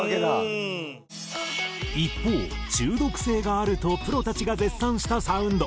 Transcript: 一方中毒性があるとプロたちが絶賛したサウンド。